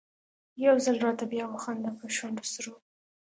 يو ځل راته بیا وخانده په شونډو سرو